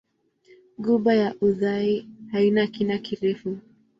Ghuba ya Uthai haina kina kirefu.